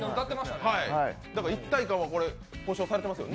だから一体感は保証されてますよね。